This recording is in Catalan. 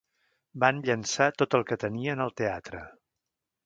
Van llançar tot el que tenien al teatre.